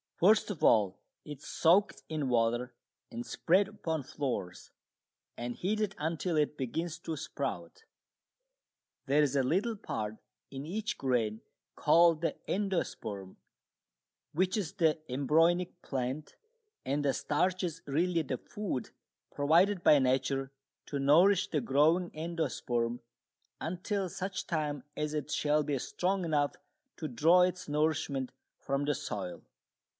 First of all it is soaked in water and spread upon floors and heated until it begins to sprout. There is a little part in each grain called the endosperm, which is the embryonic plant, and the starch is really the food provided by nature to nourish the growing endosperm until such time as it shall be strong enough to draw its nourishment from the soil.